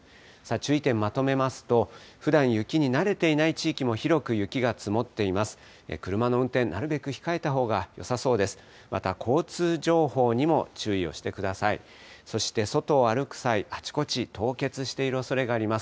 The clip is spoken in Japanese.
注意点まとめますと、ふだん雪に慣れていない地域も広く雪が積もっています。